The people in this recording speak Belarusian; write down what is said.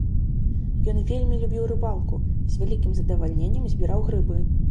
Ён вельмі любіў рыбалку, з вялікім задавальненнем збіраў грыбы.